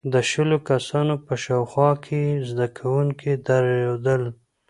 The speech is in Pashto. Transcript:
• د شلو کسانو په شاوخوا کې یې زدهکوونکي درلودل.